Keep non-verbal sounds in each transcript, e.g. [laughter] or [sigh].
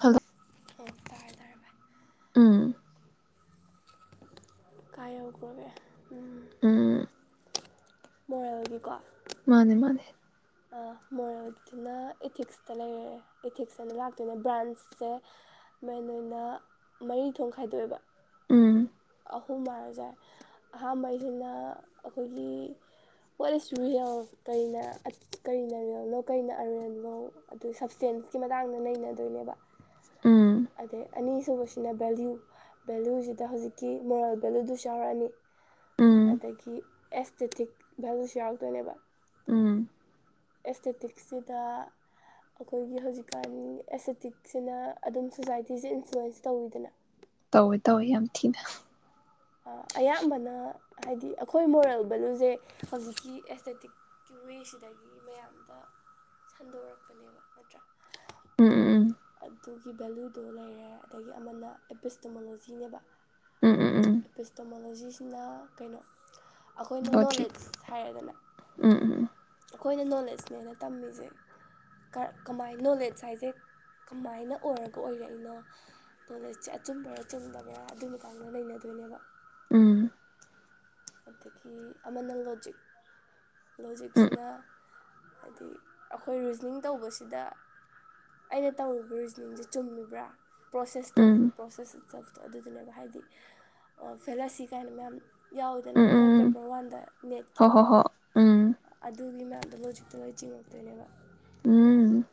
Hello ꯑꯣꯝ ꯇꯥꯔꯦ ꯇꯥꯔꯦ ꯚꯥꯏ ꯎꯝ ꯀꯥꯏ ꯌꯧꯈ꯭ꯔꯒꯦ ꯎꯝ ꯎꯝ ꯃꯣꯔꯦꯜꯒꯤꯀꯣ ꯃꯥꯅꯦ ꯃꯥꯅꯦ ꯃꯣꯔꯦꯜꯗꯨꯅ ꯏꯊꯤꯛꯁꯇ ꯂꯩꯔꯦ ꯏꯊꯤꯛꯁ ꯑꯅ ꯂꯥꯛꯇꯣꯏꯅꯦ ꯕ꯭ꯔꯥꯟꯁꯁꯦ ꯃꯦꯟ ꯑꯣꯏꯅ ꯃꯔꯤ ꯊꯣꯡꯅꯥ ꯈꯥꯏꯗꯣꯛꯑꯦꯕ ꯎꯝ ꯑꯍꯨꯝ ꯍꯥꯏꯔꯁꯨꯏꯦ ꯑꯍꯥꯟꯕꯩꯁꯤꯅ ꯑꯩꯈꯣꯏꯒꯤ ꯍꯥꯠ ꯏꯁ ꯔꯤꯌꯦꯜ ꯀꯔꯤꯅ ꯀꯔꯤꯅ ꯔꯤꯌꯦꯜꯅꯣ ꯀꯔꯤꯅ ꯑꯔꯤꯜꯅꯣ ꯑꯗꯨ ꯁꯞꯁꯇꯦꯟꯁꯀꯤ ꯃꯇꯥꯡꯗ ꯅꯩꯅꯗꯣꯏꯅꯦꯕ ꯎꯝ ꯑꯗꯩ ꯑꯅꯤꯁꯨꯕꯁꯤꯅ ꯚꯦꯂꯨ ꯚꯦꯂꯨꯁꯤꯗ ꯍꯧꯖꯤꯛꯀꯤ ꯃꯣꯔꯦꯜ ꯚꯦꯂꯨꯗꯨꯁꯨ ꯌꯥꯎꯔꯛꯑꯅꯤ ꯎꯝ ꯑꯗꯒꯤ ꯑꯦꯁꯇꯦꯇꯤꯛ ꯚꯦꯂꯨꯁꯨ ꯌꯥꯎꯔꯛꯇꯣꯏꯅꯦꯕ ꯎꯝ ꯑꯦꯁꯊꯦꯇꯤꯛꯁꯤꯗ ꯑꯩꯈꯣꯏꯒꯤ ꯍꯧꯖꯤꯛꯀꯥꯟ ꯑꯦꯁꯊꯦꯇꯤꯛꯁꯤꯅ ꯑꯗꯨꯝ ꯁꯣꯁꯥꯏꯇꯤꯁꯦ ꯏꯟꯐ꯭ꯂꯨꯌꯦꯟꯁ ꯇꯧꯋꯤꯗꯅ ꯇꯧꯋꯦ ꯇꯧꯋꯦ ꯌꯥꯝ ꯊꯤꯅ ꯑꯌꯥꯝꯕꯅ ꯍꯥꯏꯗꯤ ꯑꯩꯈꯣꯏ ꯃꯣꯔꯦꯜ ꯚꯦꯂꯨꯁꯦ ꯍꯧꯖꯤꯛꯀꯤ ꯑꯦꯁꯊꯥꯊꯦꯇꯤꯛꯀꯤ ꯋꯦꯁꯤꯗꯒꯤ ꯃꯌꯥꯝꯗ ꯁꯟꯗꯣꯔꯛꯄꯅꯦꯕ ꯅꯠꯇ꯭ꯔꯥ ꯎꯝ ꯎꯝ ꯑꯗꯨꯒꯤ ꯚꯦꯂꯨꯗꯣ ꯂꯩꯔꯦ ꯑꯗꯒꯤ ꯑꯃꯅ ꯑꯦꯄꯤꯁꯇꯣꯃꯣꯂꯣꯖꯤ ꯅꯦꯕꯥ ꯎꯝ ꯎꯝ ꯎꯝ ꯎꯝ ꯑꯦꯄꯤꯁꯇꯣꯃꯣꯂꯣꯖꯤꯁꯤꯅ ꯀꯩꯅꯣ ꯑꯩꯈꯣꯏꯅ ꯂꯣꯖꯤꯛ ꯅꯣꯂꯦꯖ ꯍꯥꯏꯔꯒꯅꯥ ꯎꯝ ꯎꯝ ꯑꯩꯈꯣꯏꯅ ꯅꯣꯂꯦꯖꯅꯦꯅ ꯇꯝꯃꯤꯁꯦ ꯀꯃꯥꯏ ꯅꯣꯂꯦꯖ ꯍꯥꯏꯁꯦ ꯀꯃꯥꯏꯅ ꯑꯣꯏꯔꯒ ꯑꯣꯏꯔꯛꯏꯅꯣ ꯅꯣꯂꯦꯖꯁꯦ ꯑꯆꯨꯝꯕ꯭ꯔꯥ ꯆꯨꯝꯗꯕ꯭ꯔꯥ ꯑꯗꯨꯒꯤ ꯃꯇꯥꯡꯗ ꯅꯩꯅꯅꯗꯣꯏꯅꯦꯕ ꯎꯝ ꯑꯗꯒꯤ ꯑꯃꯅ ꯂꯣꯖꯤꯛ ꯎꯝ ꯂꯣꯖꯤꯛꯁꯤꯅ ꯍꯥꯏꯗꯤ ꯑꯩꯈꯣꯏ ꯔꯤꯖꯅꯤꯡ ꯇꯧꯕꯁꯤꯗ ꯑꯩꯅ ꯇꯧꯔꯤꯕ ꯔꯤꯖꯅꯤꯡꯁꯦ ꯆꯨꯝꯃꯤꯕ꯭ꯔꯥ ꯄ꯭ꯔꯣꯁꯦꯁꯇꯣ ꯎꯝ ꯄ꯭ꯔꯣꯁꯦꯁꯞꯇꯣ ꯑꯗꯨꯗꯨꯅꯦꯕ ꯍꯥꯏꯗꯤ ꯐꯦꯂꯥꯁꯤ ꯀꯥꯏꯅ ꯃꯌꯥꯝ ꯌꯥꯎꯋ ꯑꯗꯨꯅ ꯎꯝ ꯑꯩꯈꯣꯏ ꯎꯝ ꯄꯦꯄꯔ ꯋꯥꯟꯗ ꯅꯦꯠꯀꯤ ꯍꯣ ꯍꯣ ꯍꯣ ꯎꯝ ꯑꯗꯨꯒꯤ ꯃꯌꯥꯝꯗ ꯂꯣꯖꯤꯛ [unintelligible] ꯎꯝ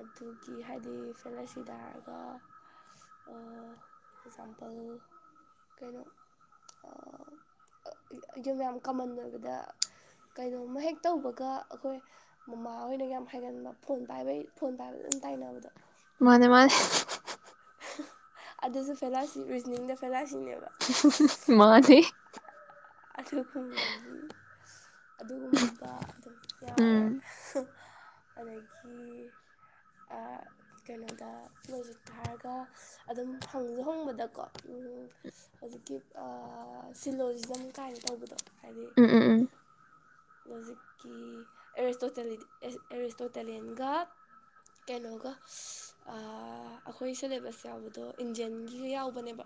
ꯑꯗꯨꯒꯤ ꯍꯥꯏꯗꯤ ꯐꯦꯂꯣꯁꯤꯗ ꯍꯥꯏꯔꯒ ꯑꯦꯛꯖꯥꯝꯄꯜ ꯀꯩꯅꯣ ꯌꯨꯝ ꯌꯥꯝ ꯀꯃꯟ ꯑꯣꯏꯕꯗ ꯀꯩꯅꯣꯃ ꯍꯦꯛ ꯇꯧꯕꯒ ꯑꯩꯈꯣꯏ ꯃꯃꯥ ꯍꯣꯏꯅ ꯌꯥꯝ ꯍꯥꯏꯒꯟꯕ ꯐꯣꯟ ꯄꯥꯏꯕꯩ ꯐꯣꯟ ꯇꯥꯏꯅꯕꯗꯣ ꯃꯥꯅꯦ ꯃꯥꯅꯦ ꯑꯗꯨꯁꯨ ꯐꯦꯂꯁꯤ ꯔꯤꯖꯅꯤꯡꯗ ꯐꯦꯂꯥꯁꯤꯅꯦꯕ ꯃꯥꯅꯦ ꯑꯗꯨ ꯈ ꯑꯗꯨꯒꯨꯝꯕ ꯑꯗꯨꯝ ꯌꯥꯎꯔꯦ ꯎꯝ ꯑꯗꯒꯤ ꯀꯩꯅꯣꯗ ꯃꯦꯖꯤꯛꯇ ꯍꯥꯏꯔꯒ ꯑꯗꯨꯝ ꯍꯪꯁꯨ ꯍꯪꯕꯗꯀꯣ ꯍꯧꯖꯤꯛꯀꯤ ꯁꯤꯜꯂꯣꯁꯤꯅ ꯀꯥꯏꯅ ꯇꯧꯕꯗꯣ ꯎꯝ ꯎꯝ ꯎꯝ ꯍꯧꯖꯤꯛꯀꯤ ꯑꯦꯔꯤꯁꯇ ꯑꯦꯔꯤꯣꯁꯇꯣꯇꯦꯂꯤꯌꯟꯒ ꯀꯩꯅꯣꯒ ꯑꯩꯈꯣꯏ ꯁꯤꯦꯂꯦꯕꯁ ꯌꯥꯎꯕꯗꯣ ꯏꯟꯗꯤꯌꯟꯒꯤꯒ ꯌꯥꯎꯕꯅꯦꯕ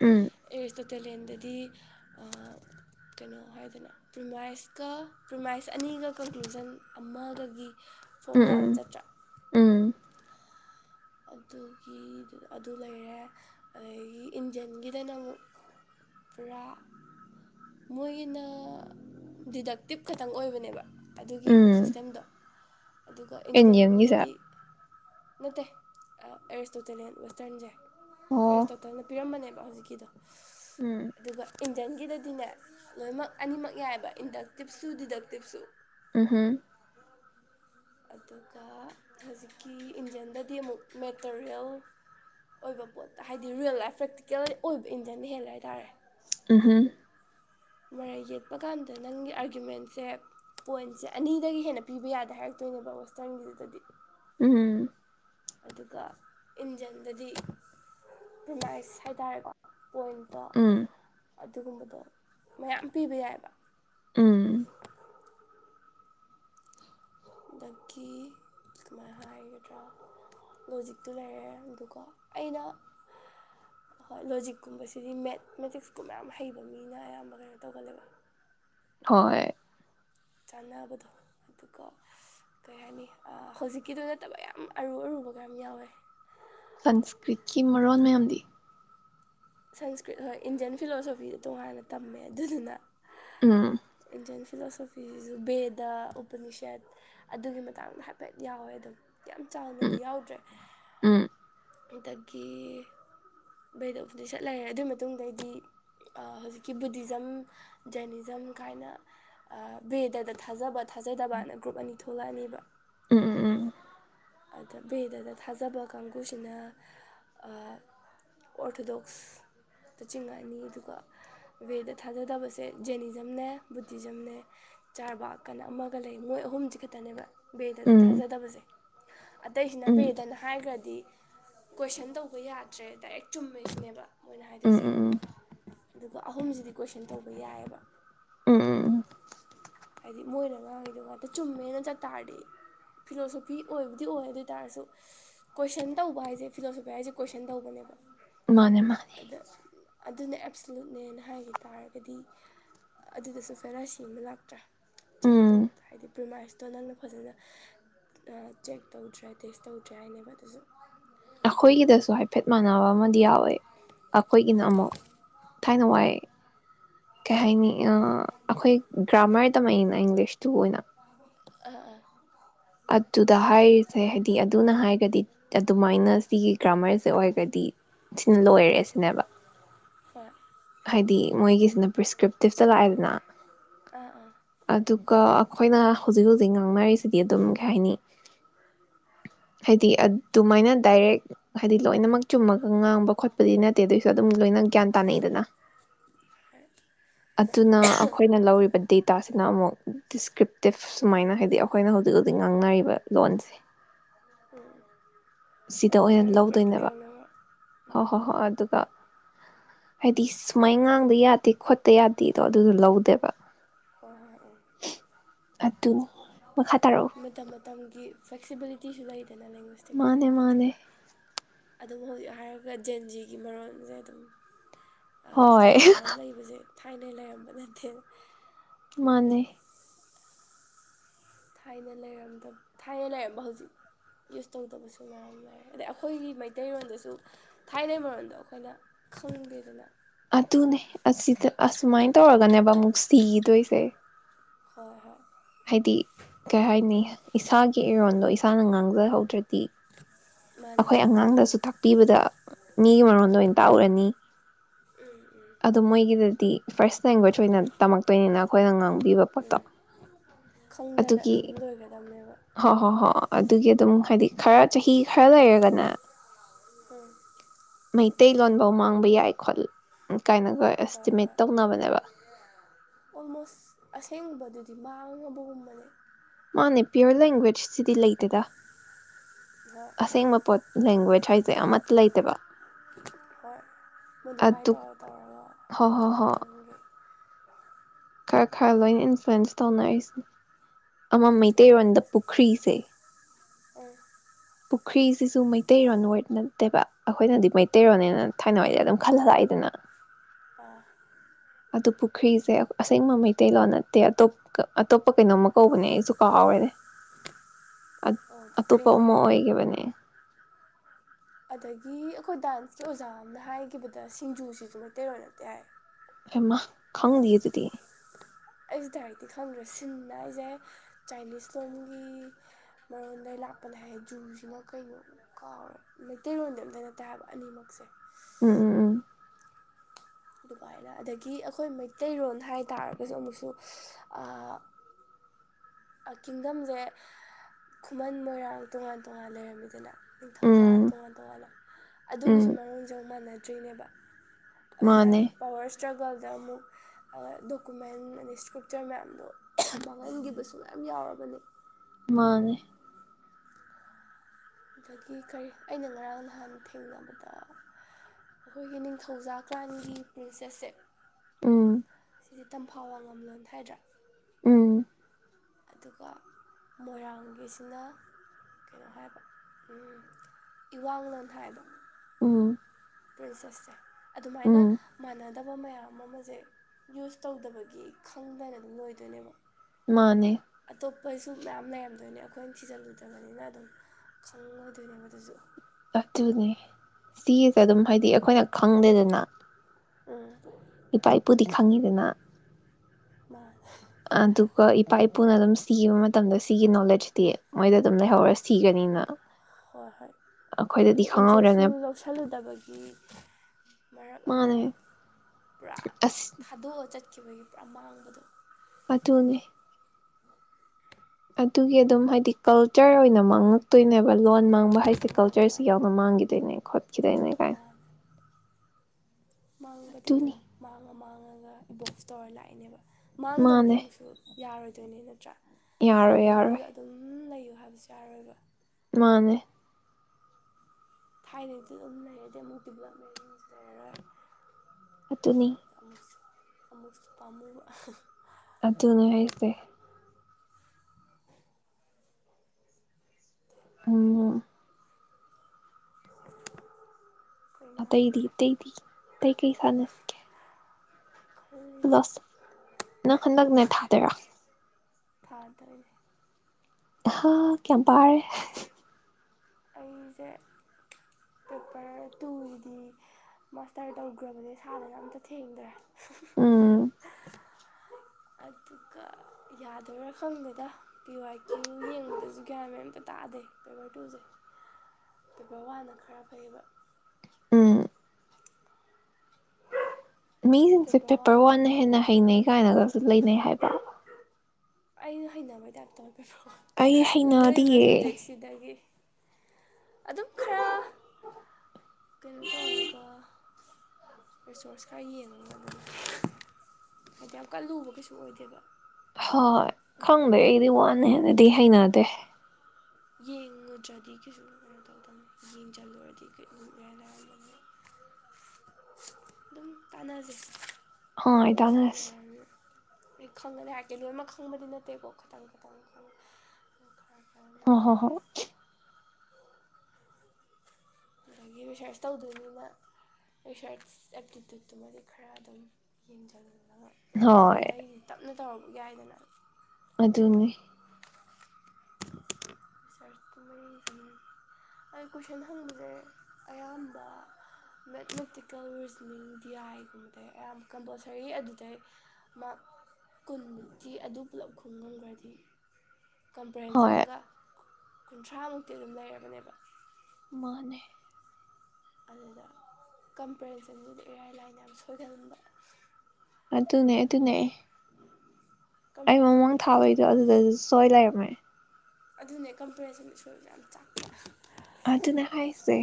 ꯎꯝ ꯏꯇꯦꯂꯤꯟꯗꯗꯤ ꯀꯩꯅꯣ ꯍꯥꯏꯗꯅ ꯄ꯭ꯔꯃꯥꯏꯁꯀ ꯄ꯭ꯔꯃꯥꯏꯁ ꯑꯅꯤꯒ ꯀꯟꯀ꯭ꯂꯨꯖꯟ ꯑꯃꯒꯒꯤ ꯎꯝ ꯁꯣꯃꯅꯥꯅ ꯎꯝ ꯆꯆꯆꯥ ꯎꯝ ꯑꯗꯨꯒꯤ ꯑꯗꯨ ꯂꯩꯔꯦ ꯑꯗꯒꯤ ꯏꯟꯗꯤꯟꯒꯤꯗꯅ ꯑꯃꯨꯛ ꯄꯨꯔꯥ ꯃꯣꯏꯒꯤꯅ ꯗꯤꯗꯛꯇꯤꯞ ꯈꯛꯇꯪ ꯑꯣꯏꯕꯅꯦꯕ ꯑꯗꯨꯒꯤ ꯎꯝ ꯁꯤꯁꯇꯦꯝꯗꯣ ꯑꯗꯨꯒ ꯏꯟꯗꯤꯌꯟꯒꯤꯁꯦ ꯏꯟꯖꯤꯟꯗꯗꯤ ꯅꯠꯇꯦ ꯑ ꯑꯦꯔꯤꯁꯇꯣꯇꯦꯂꯤꯌꯥꯟ ꯋꯦꯁꯇ꯭ꯔꯟꯖꯦ꯫ ꯑꯣ ꯑꯦꯔꯤꯁꯇꯣꯇꯜꯅ ꯄꯤꯔꯝꯕꯅꯦ ꯍꯧꯖꯤꯛꯀꯤꯗꯣ ꯎꯝ꯫ ꯑꯗꯨꯒ ꯏꯟꯗꯤꯌꯟꯒꯤꯗꯗꯤꯅꯦ ꯂꯣꯏꯃꯛ ꯑꯅꯤꯃꯛ ꯌꯥꯏꯌꯦꯕ ꯏꯟꯗꯛꯇꯤꯞꯁꯨ ꯗꯤꯗꯛꯇꯤꯞꯁꯨ꯫ ꯎꯝꯍꯨꯝ꯫ ꯑꯗꯨꯒ ꯍꯧꯖꯤꯛꯀꯤ ꯏꯟꯗꯤꯌꯟꯗꯗꯤ ꯑꯃꯨꯛ ꯃꯦꯇꯔꯤꯌꯦꯜ ꯑꯣꯏꯕ ꯄꯣꯠꯇ ꯍꯥꯏꯗꯤ ꯔꯤꯌꯦꯜ ꯂꯥꯏꯐ ꯄ꯭ꯔꯦꯛꯇꯤꯀꯦꯜ ꯑꯣꯏꯕ ꯏꯟꯗꯤꯌꯟꯅ ꯍꯦꯜꯂꯦ ꯍꯥꯏꯇꯥꯔꯦ꯫ ꯎꯝꯍꯨꯝ꯫ ꯃꯔꯩ ꯌꯦꯠꯄ ꯀꯥꯟꯗ ꯅꯪꯒꯤ ꯑꯥꯔꯒꯌꯨꯃꯦꯟꯁꯦ ꯄꯣꯏꯟꯁꯦ ꯑꯅꯤꯗꯒꯤ ꯍꯦꯟꯅ ꯄꯤꯕ ꯌꯥꯗꯦ ꯍꯥꯏꯔꯛꯇꯣꯏꯅꯦꯕ ꯋꯦꯁꯇꯔꯟꯒꯤꯗꯨꯗꯗꯤ꯫ ꯎꯝ꯫ ꯑꯗꯨꯒ ꯏꯟꯗꯤꯌꯟꯗꯗꯤ ꯄ꯭ꯔꯤꯃꯥꯏꯁ ꯍꯥꯏꯇꯥꯔꯦꯀꯣ ꯄꯣꯏꯟꯠꯇꯣ ꯎꯝ ꯑꯗꯨꯒꯨꯝꯕꯗꯣ ꯃꯌꯥꯝ ꯄꯤꯕ ꯌꯥꯏꯑꯦꯕ꯫ ꯎꯝ꯫ ꯑꯗꯒꯤ ꯀꯃꯥꯏꯅ ꯍꯥꯏꯒꯗ꯭ꯔꯥ ꯂꯣꯖꯤꯛꯇꯨ ꯂꯩꯔꯦ ꯑꯗꯨꯒ ꯑꯩꯅ ꯍꯣꯏ ꯂꯣꯖꯤꯛꯀꯨꯝꯕꯁꯤꯗꯤ ꯃꯦꯠꯃꯦꯇꯤꯛꯁꯀꯨꯝꯕ ꯌꯥꯝ ꯍꯩꯕ ꯃꯤꯅ ꯑꯌꯥꯝꯕ ꯀꯩꯅꯣ ꯇꯧꯒꯜꯂꯦꯕ꯫ ꯍꯣꯏ꯫ ꯆꯥꯟꯅꯕꯗꯣ ꯑꯗꯨꯒ ꯀꯩ ꯍꯥꯏꯅꯤ ꯑꯥ ꯍꯧꯖꯤꯛꯀꯤꯗꯣ ꯅꯠꯇꯕ ꯌꯥꯝ ꯑꯔꯨ ꯑꯔꯨꯒ ꯌꯥꯝ ꯌꯥꯎꯋꯦ꯫ ꯁꯪꯁꯀ꯭ꯔꯤꯠꯀꯤ ꯃꯔꯣꯜ ꯃꯌꯥꯝꯗꯤ ꯁꯪꯁꯀ꯭ꯔꯤꯠ ꯍꯣꯏ ꯏꯟꯗꯤꯌꯥꯟ ꯐꯤꯂꯣꯁꯣꯐꯤꯗ ꯇꯣꯉꯥꯟꯅ ꯇꯝꯃꯦ ꯑꯗꯨꯗꯨꯅ꯫ ꯎꯝ ꯐꯤꯂꯣꯁꯣꯐꯤꯖꯤꯖꯨ ꯕꯦꯗ ꯎꯄꯅꯤꯁꯠ ꯑꯗꯨꯒꯤ ꯃꯇꯥꯡꯗ ꯍꯥꯏꯐꯦꯠ ꯌꯥꯎꯋꯦ ꯑꯗꯨꯝ ꯌꯥꯝ ꯆꯥꯎꯅꯗꯤ ꯎꯝ ꯌꯥꯎꯗ꯭ꯔꯦ ꯎꯝ ꯑꯗꯒꯤ ꯕꯦꯗ ꯑꯗꯨꯏ ꯁꯠ ꯂꯩꯔꯦ ꯑꯗꯨꯒꯤ ꯃꯇꯨꯡꯗꯩꯗꯤ ꯑꯥ ꯍꯧꯖꯤꯛꯀꯤ ꯕꯨꯙꯤꯖꯝ ꯖꯩꯅꯤꯖꯝ ꯀꯥꯏꯅ ꯑꯥ ꯕꯦꯗꯗ ꯊꯥꯖꯕ ꯊꯥꯖꯗꯕꯅ ꯒ꯭ꯔꯨꯞ ꯑꯅꯤ ꯊꯣꯛꯂꯛꯑꯅꯤꯕ ꯎꯝ ꯎꯝ ꯑꯗ ꯕꯦꯗꯗ ꯊꯥꯖꯕ ꯀꯥꯡꯕꯨꯁꯤꯅ ꯑꯥ ꯑꯣꯔꯊꯣꯗꯣꯛ ꯑꯁ ꯇꯆꯤꯡꯉꯛꯅꯤ ꯑꯗꯨꯒ ꯕꯦꯗ ꯊꯥꯖꯗꯕꯁꯦ ꯖꯦꯅꯤꯖꯝꯅꯦ ꯕꯨꯙꯤꯖꯝꯅꯦ ꯆꯥꯔꯕꯥꯥꯛꯀꯅ ꯑꯃꯒ ꯂꯩ ꯃꯣꯏ ꯑꯍꯨꯝꯁꯤ ꯈꯛꯇꯅꯦꯕ ꯎꯝ ꯕꯦꯗꯗ ꯎꯝ ꯊꯥꯖꯗꯕꯁꯦ ꯑꯇꯩꯁꯤꯅ ꯎꯝ ꯕꯦꯗꯟ ꯍꯥꯏꯈ꯭ꯔꯗꯤ ꯀꯣꯏꯁꯟ ꯇꯧꯕ ꯌꯥꯗ꯭ꯔꯦꯗꯗꯥꯏꯦꯛ ꯆꯨꯝꯃꯤꯁꯤꯅꯦꯕ ꯃꯣꯏꯅ ꯎꯝ ꯎꯝ ꯍꯥꯏꯗꯣꯏꯁꯦ ꯎꯝ ꯑꯗꯨꯒ ꯑꯍꯨꯝꯁꯤꯗꯤ ꯀꯣꯏꯁꯟ ꯇꯧꯕ ꯌꯥꯏꯑꯦꯕ ꯎꯝ ꯍꯥꯏꯗꯤ ꯃꯣꯏꯅ ꯉꯥꯡꯒꯤꯗꯣ ꯉꯥꯛꯇ ꯆꯨꯝꯃꯦꯅ ꯆꯠ ꯇꯥꯔꯗꯤ ꯐꯤꯂꯣꯁꯣꯐꯤ ꯑꯣꯏꯕꯨꯗꯤ ꯑꯣꯏ ꯑꯗꯨ ꯑꯣꯏ ꯇꯥꯔꯁꯨ ꯀꯣꯏꯁꯟ ꯇꯧꯕ ꯍꯥꯏꯁꯦ ꯐꯤꯂꯣꯁꯣꯐꯤ ꯍꯥꯏꯁꯦ ꯀꯣꯏꯁꯟ ꯇꯧꯕꯅꯦꯕ ꯃꯥꯅꯦ ꯃꯥꯅꯦ ꯑꯗ ꯑꯗꯨꯅ ꯑꯦꯞꯁꯂꯨꯠꯅꯦꯅ ꯍꯥꯏꯈꯤ ꯇꯥꯔꯒꯗꯤ ꯑꯗꯨꯗꯁꯨ ꯐꯦꯔꯥꯏꯁꯤ ꯑꯃ ꯂꯥꯛꯇ꯭ꯔꯥ ꯆꯦꯛꯇꯧ ꯎꯝ ꯍꯥꯏꯗꯤ ꯄ꯭ꯔꯤꯃꯥꯏꯁꯇꯣ ꯅꯪꯅ ꯐꯖꯅ ꯆꯦꯛ ꯇꯧꯗ꯭ꯔꯦ ꯇꯦꯁ ꯇꯧꯗ꯭ꯔꯦ ꯍꯥꯏꯅꯦꯕ ꯑꯗꯨꯁꯨ ꯑꯩꯈꯣꯏꯒꯤꯗꯁꯨ ꯍꯥꯏꯐꯦꯠ ꯃꯥꯟꯅꯕ ꯑꯃꯗꯤ ꯌꯥꯎꯋꯦ ꯑꯩꯈꯣꯏꯒꯤꯅ ꯀꯩ ꯑꯃꯨꯛ ꯊꯥꯏꯅ ꯋꯥꯏ ꯀꯩ ꯍꯥꯏꯅꯤ ꯑꯩꯈꯣꯏ ꯒ꯭ꯔꯥꯃꯔ ꯇꯝꯃꯛꯏꯅ ꯏꯪꯂꯤꯁꯇꯨ ꯑꯣꯏꯅ ꯑ ꯑꯗꯨꯗ ꯍꯥꯏꯔꯤꯁꯦ ꯍꯥꯏꯗꯤ ꯑꯗꯨꯅ ꯍꯥꯏꯔꯒꯗꯤ ꯑꯗꯨꯃꯥꯏꯅ ꯁꯤꯒꯤ ꯒ꯭ꯔꯥꯃꯔꯁꯦ ꯑꯣꯏꯔꯒꯗꯤ ꯁꯤꯅ ꯂꯣꯏꯔꯦ ꯁꯤꯅꯦꯕ ꯍꯣꯏ ꯍꯥꯏꯗꯤ ꯃꯣꯏꯒꯤꯁꯤꯅ ꯄ꯭ꯔꯤꯁꯀ꯭ꯔꯤꯞꯇꯤꯞꯇ ꯂꯥꯛꯑꯦꯗꯅ ꯑꯥ ꯑꯥ ꯑꯗꯨꯒ ꯑꯩꯈꯣꯏꯅ ꯍꯧꯖꯤꯛ ꯍꯧꯖꯤꯛ ꯉꯥꯡꯅꯔꯤꯁꯦ ꯗꯤ ꯑꯗꯨꯝ ꯍꯥꯏꯗꯤ ꯑꯗꯨꯃꯥꯏꯅ ꯗꯥꯏꯔꯦꯛ ꯍꯥꯏꯗꯤ ꯂꯣꯏꯅꯃꯛ ꯆꯨꯝꯃꯒ ꯉꯥꯡꯕ ꯈꯣꯠꯄꯗꯤ ꯅꯠꯇꯦ ꯑꯗꯨꯏꯁꯨ ꯑꯗꯨꯝ ꯂꯣꯏꯅ ꯒ꯭ꯌꯥꯟ ꯇꯥꯅꯩꯗꯅ ꯑꯗꯨꯅ ꯑꯩꯈꯣꯏꯅ ꯂꯧꯔꯤꯕ ꯗꯦꯇꯥꯁꯤꯅ ꯑꯃꯨꯛ ꯗꯤꯁꯀ꯭ꯔꯤꯞ ꯁꯨꯃꯥꯏꯅ ꯍꯥꯏꯗꯤ ꯑꯩꯈꯣꯏꯅ ꯍꯧꯖꯤꯛ ꯍꯧꯖꯤꯛ ꯉꯥꯡꯅꯔꯤꯕ ꯂꯣꯟꯁꯦ ꯁꯤꯗ ꯑꯣꯏꯅ ꯗꯥꯏꯔꯦꯛ ꯂꯧꯗꯣꯏꯅꯦꯕ ꯄ꯭ꯔꯦꯛꯇꯤꯀꯦꯜꯅꯦꯕ ꯍꯣꯏ ꯍꯣꯏ ꯍꯣꯏ ꯑꯗꯨꯒ ꯍꯥꯏꯗꯤ ꯁꯨꯃꯥꯏ ꯉꯥꯡꯗ ꯌꯥꯗꯦ ꯈꯣꯠꯇ ꯌꯥꯗꯦꯗꯣ ꯑꯗꯨꯗꯣ ꯂꯧꯗꯦꯕ ꯀꯍ ꯑꯗꯨ ꯑꯗꯨ ꯃꯈꯥ ꯇꯥꯔꯛꯣ ꯃꯇꯝ ꯃꯇꯝꯒꯤ ꯐ꯭ꯂꯦꯛꯁꯤꯕꯤꯂꯤꯇꯤꯁꯨ ꯂꯩ ꯆꯖꯅ ꯂꯡ꯭ꯋꯦꯁ ꯇꯤꯦꯛ ꯃꯥꯅꯦ ꯇꯇ꯭ꯔꯣ ꯃꯥꯅꯦ ꯑꯗꯨꯝ ꯍꯧꯖꯤꯛ ꯍꯥꯏꯔꯒ ꯖꯦꯟꯖꯤꯒꯤ ꯃꯔꯣꯟꯁꯦ ꯑꯗꯨꯝ ꯍꯣꯏ ꯁ꯭ꯂꯦꯡ ꯃꯝ ꯂꯩꯕꯁꯦ ꯊꯥꯏꯅ ꯂꯩꯥꯏꯑ ꯑꯃꯝꯕ ꯅꯗꯦ ꯃꯥꯅꯦ ꯊꯥꯏꯅ ꯂꯩꯔꯝꯗ ꯊꯥꯏꯅ ꯂꯩꯔꯝꯕ ꯍꯧꯖꯤꯛ ꯌꯨꯁ ꯇꯧꯗꯕꯁꯨ ꯃꯝ ꯂꯩꯔꯦ ꯑꯗꯩ ꯑꯩꯈꯣꯏꯒꯤ ꯃꯩꯇꯩꯔꯣꯟꯗꯁꯨ ꯊꯥꯏꯅ ꯃꯔꯣꯟꯗꯣ ꯑꯩꯈꯣꯏꯅ ꯈꯪꯗꯦꯗꯅ ꯑꯗꯨꯅꯦ ꯑꯁꯤ ꯑꯁꯨꯃꯥꯏꯅ ꯇꯧꯔꯒꯅꯦꯕ ꯑꯃꯨꯛ ꯁꯤꯗꯣꯏꯁꯦ ꯍꯣꯏ ꯍꯣꯏ ꯍꯥꯏꯗꯤ ꯀꯩ ꯍꯥꯏꯥꯏꯅꯤ ꯏꯁꯥꯒꯤ ꯏꯔꯣꯟꯗꯣ ꯏꯁꯥꯅ ꯉꯥꯡꯖꯍꯧꯗ꯭ꯔꯗꯤ ꯃꯥꯅꯦ ꯑꯩꯈꯣꯏ ꯑꯉꯥꯡꯗꯁꯨ ꯊꯥꯛ ꯄꯤꯕꯗ ꯃꯤꯒꯤ ꯃꯔꯣꯟꯗ ꯑꯣꯏꯅ ꯇꯥꯛꯎꯔꯅꯤ ꯑꯗꯨꯣ ꯃꯣꯏꯒꯤꯗꯗꯤ ꯐꯥꯔꯁ ꯂꯦꯡꯒ꯭ꯋꯦꯖ ꯑꯣꯏꯅ ꯇꯝꯃꯛꯇꯣꯏꯅꯤꯅ ꯑꯩꯈꯣꯏꯅ ꯉꯥꯡꯕꯤꯕ ꯄꯣꯠꯇꯣ ꯈꯪꯗꯅ ꯑꯗꯨꯒꯤ ꯑꯗꯨꯝ ꯂꯣꯏꯒꯗꯕꯅꯦꯕ ꯍꯣ ꯍꯣꯏ ꯍꯣꯏ ꯑꯗꯨꯒꯤ ꯑꯗꯨꯝ ꯍꯥꯏꯗꯤ ꯈꯔ ꯆꯍꯤ ꯈꯔ ꯂꯩꯔꯒꯅꯦ ꯎꯝ ꯃꯩꯇꯩꯂꯣꯟꯐꯧ ꯃꯥꯡꯕ ꯌꯥꯏ ꯈꯣꯠꯂ ꯍꯣꯏ ꯍꯣꯏ ꯑꯣꯜꯃꯣꯁ ꯑꯁꯦꯡꯕꯗꯨꯗꯤ ꯗꯤꯃꯥꯡꯅꯕ ꯎꯟꯕꯅꯦ ꯃꯥꯅꯦ ꯄꯤꯌꯣꯔ ꯂꯦꯡꯒ꯭ꯋꯦꯖꯁꯤꯗꯤ ꯂꯩꯇꯦꯗ ꯍꯣꯏ ꯑꯁꯦꯡ ꯃꯄꯣꯠ ꯂꯦꯡꯒꯦꯏꯁ ꯍꯥꯏꯁꯦ ꯑꯃꯠꯇ ꯂꯩꯇꯕ ꯍꯣꯏ ꯃꯣꯗꯤꯐꯥꯏ ꯑꯗꯨ ꯇꯧꯔ ꯇꯧꯔꯒ ꯍꯣ ꯍꯣ ꯃꯇꯝ ꯃꯇꯝꯒꯤ ꯀ ꯈꯂꯣꯏ ꯑꯣꯏꯅ ꯏꯟꯐ꯭ꯂꯟꯁ ꯇꯧꯅ ꯑꯃ ꯍꯣꯏ ꯆꯨꯝꯃꯦ ꯃꯩꯇꯩꯔꯣꯟꯗ ꯄꯨꯈ꯭ꯔꯤꯁꯦ ꯑꯣ ꯄꯨꯈ꯭ꯔꯤꯁꯤꯁꯨ ꯃꯩꯇꯩ ꯔꯣꯜ ꯅꯠꯇꯦꯕ ꯑꯩꯈꯣꯏꯅꯗꯤ ꯎꯝ ꯃꯩꯇꯩꯔꯣꯅꯦꯅ ꯊꯥꯏꯅꯅꯕꯩꯗ ꯑꯗꯨꯝ ꯈꯜꯂꯥꯛꯏꯗꯤ ꯏꯠꯇꯅ ꯑꯥ ꯑꯗꯨ ꯄꯨꯈ꯭ꯔꯤꯁꯦ ꯑꯁꯦꯡꯕ ꯃꯩꯇꯩꯂꯣꯟ ꯅꯠꯇꯦ ꯑꯇꯣꯞ ꯑꯇꯣꯞꯄ ꯀꯩꯅꯣꯝꯃ ꯀꯧꯕꯅꯦ ꯑꯩꯖꯨ ꯀꯥꯎꯔꯦ꯫ ꯑꯣ ꯐ꯭ꯔꯤꯖꯦ ꯑꯃꯅꯤꯅꯤ ꯑꯗꯒꯤ ꯑꯩꯈꯣꯏ ꯗꯥꯟꯁꯀꯤ ꯑꯣꯖꯥ ꯑ ꯑꯃꯅ ꯍꯥꯏꯈꯤꯕꯗ ꯁꯤꯡꯖꯨꯁꯤꯁꯨ ꯃꯩꯇꯩꯔꯣ ꯅꯠꯇꯦ ꯍꯥꯏ ꯃꯥ ꯈꯪꯗ ꯑꯗꯨꯗꯤ ꯑꯩꯁꯦ ꯗꯥꯏꯔꯦꯛꯇꯤ ꯈꯪꯗ꯭ꯔꯦ ꯁꯤꯟꯅ ꯍꯥꯏꯁꯦ ꯆꯥꯏꯅꯤꯁ ꯂꯣꯝꯒꯤ ꯃꯔꯣꯟꯗꯒꯤ ꯂꯥꯛꯄꯅꯦ ꯍꯥꯏ ꯖꯨꯁꯤꯅ ꯀꯩꯅꯣ ꯀꯥꯎꯔꯦ ꯃꯩꯇꯩꯔꯣꯟꯗ ꯑꯝꯇ ꯅꯠꯇꯥꯏ ꯍꯥꯏꯕ ꯑꯅꯤꯃꯛꯁꯦ ꯎꯝ ꯎꯝ ꯎꯝ ꯑꯗꯨꯃꯥꯏꯅ ꯑꯗꯒꯤ ꯑꯩꯈꯣꯏ ꯃꯩꯇꯩꯔꯣꯟ ꯍꯥꯏ ꯇꯥꯔꯒꯁꯨ ꯑꯃꯨꯛꯁꯨ ꯀꯤꯡꯗꯝꯁꯦ ꯈꯨꯃꯟ ꯃꯣꯏꯔꯥꯡ ꯇꯣꯉꯥꯟ ꯇꯣꯉꯥꯟ ꯂꯩꯔꯝꯃꯤꯗꯅ ꯎꯝ ꯅꯤꯡꯊꯧꯖꯥ ꯎꯝ ꯇꯣꯉꯥꯟ ꯇꯣꯉꯥꯟꯅ ꯎꯝ ꯑꯗꯨꯒꯤꯁꯨ ꯃꯔꯝꯁꯨ ꯑꯃꯨ ꯃꯥꯟꯅꯗ ꯆꯅꯦꯕ ꯑꯗ ꯃꯥꯅꯦ ꯄꯋꯥꯔꯁ ꯏꯁꯇ꯭ꯔꯒꯜꯗ ꯑꯃꯨꯛ ꯗꯣꯀꯨꯃꯦꯟ ꯑꯗꯩ ꯏꯁꯀ꯭ꯔꯤꯞꯆꯔ ꯃꯌꯥꯝꯗꯣ ꯃꯥꯡꯍꯟꯈꯤꯕꯁꯨ ꯌꯥꯝ ꯌꯥꯎꯔꯕꯅꯦ ꯃꯥꯅꯦ ꯑꯗꯒꯤ ꯀꯔꯤ ꯑꯩꯅ ꯉꯔꯥꯡ ꯅꯍꯥꯟ ꯊꯦꯡꯅꯕꯗ ꯑꯩꯈꯣꯏꯒꯤ ꯅꯤꯡꯊꯧꯖꯥ ꯀ꯭ꯂꯥꯟꯒꯤ ꯄ꯭ꯔꯤꯁꯦꯁꯁꯦ ꯑꯝ ꯑꯩꯁꯦ ꯇꯝꯐꯥꯎ ꯋꯥꯉꯝꯂꯣꯟ ꯍꯥꯏꯗ꯭ꯔꯥ ꯎꯝ ꯑꯗꯨꯒ ꯃꯣꯏꯔꯥꯡꯒꯤꯁꯤꯅ ꯀꯩꯅꯣ ꯍꯥꯏꯕ ꯏꯋꯥꯂꯣꯟ ꯍꯥꯏꯕ ꯎꯝ ꯄꯔꯤꯜꯁꯦꯁ ꯑꯗꯨꯃꯥꯏꯅ ꯎꯝ ꯃꯥꯟꯅ ꯗꯕ ꯃꯌꯥꯝ ꯑꯃꯁꯦ ꯌꯨꯁ ꯇꯧꯗꯕꯒꯤ ꯈꯪꯗꯅ ꯑꯗꯨꯝ ꯂꯣꯏꯗꯣꯏꯅꯦꯕ ꯃꯥꯅꯦ ꯀꯩꯁꯨ ꯃꯌꯥꯝ ꯂꯩꯔꯝꯗꯣꯏꯅꯦ ꯑꯩꯈꯣꯏꯅ ꯊꯤꯖꯤꯜꯂꯨꯗꯕꯅꯤꯅ ꯑꯗꯨꯝ ꯈꯪꯉꯣꯏꯗꯣꯏꯅꯦꯕ ꯑꯗꯨꯁꯨ ꯑꯗꯨꯅꯦ ꯁꯤꯒꯤꯁꯦ ꯑꯗꯨꯝ ꯍꯥꯏꯗꯤ ꯑꯩꯈꯣꯏꯅ ꯈꯪꯗꯦꯗꯅ ꯎꯝ ꯏ ꯄꯥꯏ ꯄꯨꯨꯗꯤ ꯈꯪꯉꯤꯗꯅ ꯃꯥꯁ ꯑꯗꯨꯒ ꯏꯄꯥ ꯏꯄꯨꯅ ꯑꯗꯨꯝ ꯁꯤꯈꯤꯕ ꯃꯇꯝꯗ ꯁꯤꯒꯤ ꯅꯣꯂꯦꯖꯇꯤ ꯃꯣꯏꯗ ꯑꯗꯨꯝ ꯂꯩꯍꯧꯔ ꯁꯤꯒꯅꯤꯅ ꯍꯣꯏ ꯍꯣꯏ ꯑꯩꯈꯣꯏꯗꯗꯤ ꯑꯗ ꯏꯟꯇ꯭ꯔꯦꯁꯁꯨ ꯈꯪꯍꯧꯗ꯭ꯔꯅꯦ ꯂꯧꯁꯜꯂꯨꯗꯕꯒꯤ ꯃꯔꯛ ꯑꯃ ꯃꯥꯅꯦ ꯄꯨꯔꯥ ꯑꯁ ꯊꯥꯗꯣꯛꯑ ꯆꯠ ꯀꯠꯈꯤꯕꯒꯤ ꯄꯨ ꯑꯃꯥꯡꯕꯗꯣ ꯄꯠꯇꯨꯅꯦ ꯑꯗꯨꯒꯤ ꯑꯗꯨꯝ ꯍꯥꯏꯗꯤ ꯀꯜꯆꯔ ꯑꯣꯏꯅꯃꯛ ꯉꯥꯡꯉꯛꯇꯣꯏꯅꯦꯕ ꯂꯣꯟ ꯃꯥꯡꯕ ꯍꯥꯏꯁꯦ ꯀꯜꯆꯔꯁꯤ ꯌꯥꯎꯅ ꯃꯥꯡꯈꯤꯗꯣꯏꯅꯦ ꯈꯠꯈꯤꯗ ꯃꯥ ꯃꯥꯥꯡꯕꯗꯤ ꯑꯗꯨꯅꯤ ꯑꯗꯨꯝ ꯃꯥꯡ ꯃꯥꯡꯉꯒ ꯏꯕꯣꯛꯁ ꯇꯧꯔ ꯂꯥꯛꯏꯅꯦꯕ ꯃꯥꯡꯗꯕꯗꯤ ꯃꯥꯅꯦ ꯑꯃꯨꯛꯁꯨ ꯌꯥꯔꯣꯏ ꯑꯗꯨꯅꯦ ꯅꯠꯇ꯭ꯔꯥ ꯌꯥꯔꯣꯏ ꯍꯥꯟꯅꯒꯤꯗꯨ ꯌꯥꯔꯣꯏ ꯑꯗꯨꯝ ꯂꯩ ꯄꯤꯌꯨ ꯍꯥꯏꯕꯁꯨ ꯌꯥꯔꯣꯏꯕ ꯃꯥꯅꯦ ꯊꯥꯏꯅꯩꯗ ꯑꯗꯨꯝ ꯂꯩꯔꯗꯤ ꯑꯃꯨꯛ ꯗꯤꯕꯂꯦꯞꯃꯦꯟ ꯂꯩꯔꯔꯣꯏ ꯑꯗꯨꯅꯤ ꯑꯃꯨꯛꯁꯨ ꯑꯃꯨꯛꯁꯨ ꯄꯝꯃꯨꯕ ꯑꯗꯨꯅꯦ ꯍꯥꯏꯁꯦ ꯑꯣ ꯀꯩꯅꯣ ꯑꯇꯩꯩꯗꯤ ꯍꯥꯏꯔꯤꯗꯣ ꯑꯇꯩꯩꯗꯤ ꯑꯇꯩ ꯀꯩ ꯇꯥꯅꯥꯁꯤꯒꯦ ꯈꯜꯂꯤꯅꯦ ꯂꯁ ꯅꯪ ꯈꯟꯗꯛ ꯅꯦꯠ ꯊꯥꯗꯣꯏꯔ ꯊꯥꯗꯣꯏꯅꯦ ꯍꯥ ꯀꯌꯥꯝ ꯄꯥꯔꯦ ꯑꯩꯁꯦ ꯄꯦꯄꯔ ꯇꯨꯒꯤꯗꯤ ꯃꯥꯁꯇꯔ ꯇꯧꯈ꯭ꯔꯕꯅꯦ ꯁꯥꯗꯅ ꯑꯝꯇ ꯊꯦꯡꯈ꯭ꯔꯦ ꯎꯝ ꯑꯗꯨꯒ ꯌꯥꯗꯣꯏꯔꯥ ꯈꯪꯗꯦꯗ ꯄꯤ ꯋꯥꯏ ꯀ꯭ꯌꯨ ꯌꯦꯡꯕꯗꯁꯨ ꯒ꯭ꯌꯥꯟ ꯃꯦꯟ ꯑꯝꯇ ꯇꯥꯗꯦ ꯄꯦꯄꯔ ꯇꯨꯁꯦ ꯄꯦꯄꯔ ꯋꯥꯟꯅ ꯈꯔ ꯐꯩꯌꯦꯕ ꯎ ꯃꯤꯁꯤꯡꯁꯦ ꯄꯦꯄꯔ ꯋꯥꯟꯅ ꯍꯦꯟꯅ ꯍꯩꯅꯩ ꯀꯥꯏꯅꯒꯁꯨ ꯂꯩꯅꯩ ꯍꯥꯏꯕ ꯑꯩꯩꯅ ꯍꯩꯅꯕꯩ ꯇꯥꯏꯞ ꯇꯧꯋꯦ ꯑꯩ ꯂꯧꯔꯛꯏꯕ ꯍꯩꯅꯗꯤꯌꯦ ꯁꯕꯖꯦꯛꯁꯤꯗꯒꯤ ꯑꯗꯨꯝ ꯈꯔ ꯀꯩꯅꯣ ꯇꯧꯔꯒ ꯔꯤꯁꯣꯔꯁ ꯈꯔ ꯌꯦꯡꯕꯅ ꯍꯥꯏꯗꯤ ꯌꯥꯝ ꯀꯜꯂꯨꯕ ꯀꯩꯁꯨ ꯑꯣꯏꯗꯦꯕ ꯍꯣꯏ ꯈꯪꯗꯦ ꯑꯩꯗꯤ ꯋꯥꯅꯦꯦꯅꯗꯤ ꯍꯩꯅꯗꯦ ꯌꯦꯡꯉꯨꯗ꯭ꯔꯗꯤ ꯀꯩꯁꯨ ꯀꯩꯅꯣ ꯇꯧꯗꯕꯅꯤ ꯌꯦꯡꯁꯤꯜꯂꯨꯔꯗꯤ ꯀꯩꯦꯅꯔꯝꯕꯅꯤ ꯑꯗꯨꯝ ꯀꯥꯟꯅꯖꯩ ꯍꯣꯏ ꯅꯝꯕꯔꯁꯨ ꯇꯥꯟꯅꯔꯁꯤ ꯂꯩꯅꯔꯅꯤ ꯑꯩ ꯈꯪꯉꯅꯤ ꯍꯥꯏꯔꯒꯦ ꯂꯣꯏꯅꯃꯛ ꯈꯪꯕꯗꯤ ꯅꯠꯇꯦꯀꯣ ꯈꯤꯇꯪ ꯈꯤꯇꯪꯪꯉ ꯑ ꯍꯣ ꯍꯣ ꯑꯗꯒꯤ ꯔꯤꯁꯔꯁ ꯇꯧꯗꯣꯏꯅꯤꯅ ꯔꯤꯁꯔꯁ ꯑꯦꯞꯇꯤꯇ꯭ꯌꯨꯠꯇꯨꯃꯗꯤ ꯈꯔ ꯑꯗꯨꯝ ꯌꯦꯡꯖꯂꯅꯤ ꯍꯣꯏ ꯑꯇꯩꯗꯤ ꯇꯞꯅ ꯇꯧꯍꯒꯦ ꯍꯥꯏꯗꯅ ꯑꯗꯅꯤ ꯑꯩ ꯀꯣꯏꯁꯟ ꯍꯪꯕꯁꯦ ꯑꯌꯥꯝꯕ ꯃꯦꯠꯃꯦꯇꯤꯀꯦꯜ ꯔꯤꯖꯅꯤꯡ ꯗꯤ ꯑꯥꯏꯒꯨꯝꯕꯗꯩ ꯑꯌꯥꯝꯕ ꯀꯝꯄꯜꯁꯔꯤ ꯑꯗꯨꯗꯩ ꯃꯥꯔꯛ ꯀꯨꯟꯃꯨꯛꯇꯤ ꯑꯗꯨ ꯄꯨꯂꯞ ꯈꯨꯝꯉꯝꯈ꯭ꯔꯗꯤ ꯍꯣꯏ ꯐ꯭ꯔꯦꯟꯁꯤꯡꯒ ꯀꯨꯟꯊ꯭ꯔꯥꯃꯨꯛꯇꯤ ꯑꯗꯨꯝ ꯂꯩꯔꯕꯅꯦꯕ ꯃꯥꯅꯦ ꯑꯗꯨꯗ ꯀꯝꯄꯦꯔꯤꯖꯟꯁꯤꯗ ꯏꯔꯥꯏ ꯂꯥꯏꯅ ꯌꯥꯝ ꯁꯣꯏꯒꯟꯕ꯫ ꯑꯗꯨꯅꯦ ꯑꯗꯨꯅꯦ ꯑꯩ ꯃꯃꯥꯡ ꯀꯝꯄ꯭ꯔꯦꯟꯁꯟꯁꯦ ꯑꯗꯨꯝ ꯊꯥꯕꯩꯗꯣ ꯑꯗꯨꯗꯁꯨ ꯁꯣꯏ ꯂꯩꯔꯝꯃꯦ꯫ ꯑꯗꯨꯅꯦ ꯀꯝꯄꯦꯔꯤꯖꯟꯗꯨ ꯁꯣꯏꯕꯁꯨ ꯌꯥꯝ ꯆꯥꯛꯇꯔꯥ ꯑꯗꯨꯅꯦ ꯍꯥꯏꯁꯦ꯫